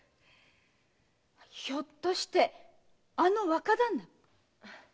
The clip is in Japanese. ひょっとしてあの若旦那？